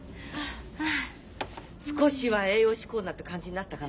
少しは栄養士コーナーって感じになったかな。